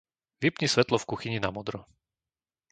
Vypni svetlo v kuchyni na modro.